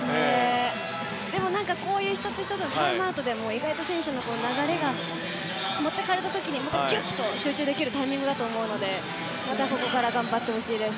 こういう１つ１つのタイムアウトでも意外と選手の流れが持っていかれた時が集中できるタイミングだと思うのでまたここから頑張ってほしいです。